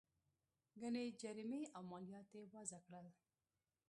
ګڼې جریمې او مالیات یې وضعه کړل.